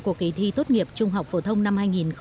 của kỳ thi tốt nghiệp trung học phổ thông năm hai nghìn hai mươi